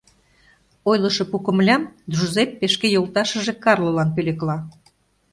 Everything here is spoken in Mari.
Ойлышо пу комылям Джузеппе шке йолташыже Карлолан пӧлекла.